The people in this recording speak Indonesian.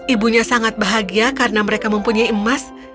ibunya sangat bahagia karena mereka mempunyai emas